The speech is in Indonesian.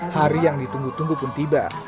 hari yang ditunggu tunggu pun tiba